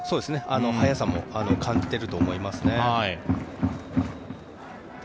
速さも感じてると思いますね。